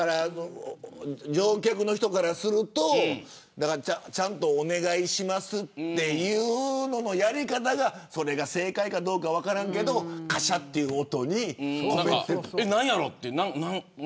乗客の方からするとちゃんとお願いしますというやり方が正解かどうか分からないけどカシャッという音に込めて。